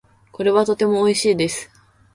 これはとても美味しいです。